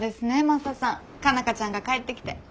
マサさん佳奈花ちゃんが帰ってきて。